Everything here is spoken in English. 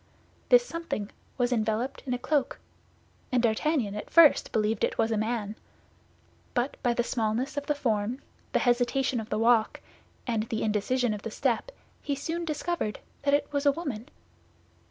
This something was enveloped in a cloak, and D'Artagnan at first believed it was a man; but by the smallness of the form, the hesitation of the walk, and the indecision of the step, he soon discovered that it was a woman.